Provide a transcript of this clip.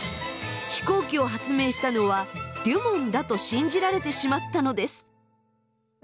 「飛行機を発明したのはデュモンだ」と信じられてしまったのです。